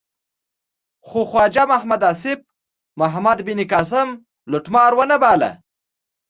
خو خواجه محمد آصف محمد بن قاسم لوټمار و نه باله.